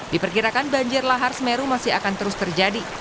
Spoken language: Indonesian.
diperkirakan banjir lahar semeru masih akan terus terjadi